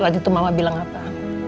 waktu itu mama bilang apa